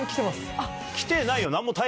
来てないよ。